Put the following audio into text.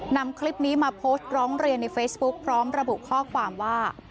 นำคลิปนี้มาโพสต์ร้องเรียนในเฟซบุ๊กพร้อมระบุข้อความว่า